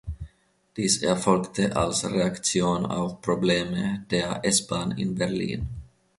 Dies erfolgte als Reaktion auf Probleme der S-Bahn in Berlin.